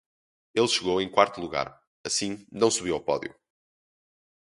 Ele chegou em quarto lugar, assim, não subiu ao pódio.